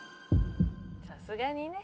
「さすがにね」